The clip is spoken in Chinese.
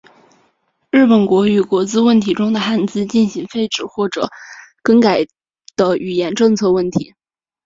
日本国语国字问题中的汉字进行废止或者更改的语言政策问题。